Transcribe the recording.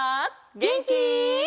げんき？